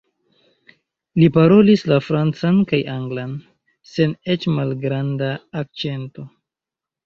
Li parolis la francan kaj anglan sen eĉ malgranda akĉento.